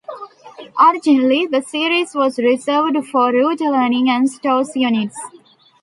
Originally the series was reserved for Route Learning and Stores units.